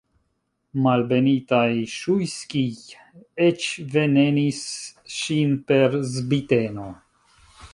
Malbenitaj Ŝujskij'j eĉ venenis ŝin per zbiteno!